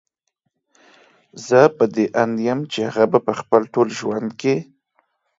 زه په دې اند يم چې هغه به په خپل ټول ژوند کې